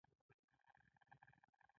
ګرمې اوبه وېښتيان وچوي.